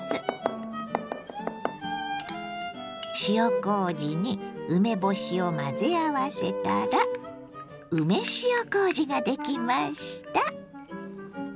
塩こうじに梅干しを混ぜ合わせたら梅塩こうじができました。